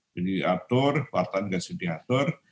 sudah diatur wartan gas sudah diatur